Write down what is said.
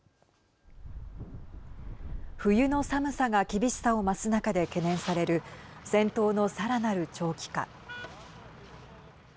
冬の寒さが厳しさを増す中で懸念される戦闘のさらなる長期化。